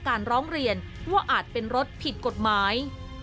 ร้องเรียนว่าอาจเป็นรถผิดกฎหมาย